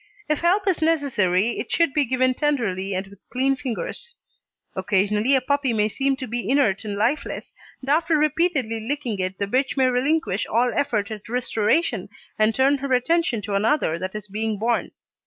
If help is necessary it should be given tenderly and with clean fingers. Occasionally a puppy may seem to be inert and lifeless, and after repeatedly licking it the bitch may relinquish all effort at restoration and turn her attention to another that is being born.